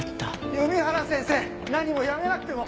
弓原先生何も辞めなくても。